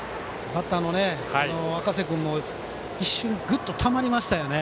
バッターの赤瀬君も一瞬、ぐっと止まりましたよね。